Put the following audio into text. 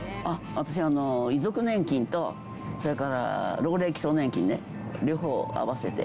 私、遺族年金とそれから老齢基礎年金ね、両方合わせて。